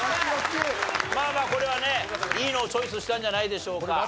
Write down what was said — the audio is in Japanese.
まあまあこれはねいいのをチョイスしたんじゃないでしょうか。